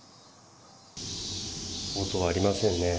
応答ありませんね。